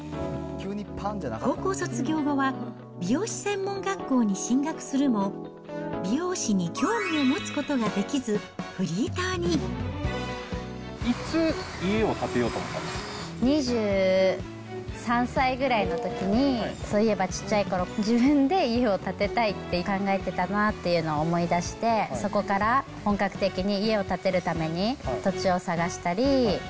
高校卒業後は、美容師専門学校に進学するも、美容師に興味を持つことができず、いつ、２３歳ぐらいのときに、そういえばちっちゃいころ、自分で家を建てたいって考えてたなっていうのを思い出して、そこから本格的に家を建てるために土地を探したり。